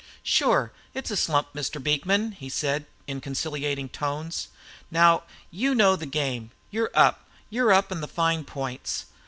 "Shure, it's a slump, Mr. Beekman," he said, in conciliating tones. "Now, you know the game; you're up; you're up on the fine points.